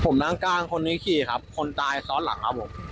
ผมนั่งกลางคนนี้ขี่ครับคนตายซ้อนหลังครับผม